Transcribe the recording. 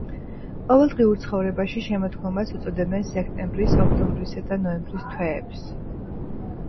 ყოველდღიურ ცხოვრებაში შემოდგომას უწოდებენ სექტემბრის, ოქტომბრისა და ნოემბრის თვეებს.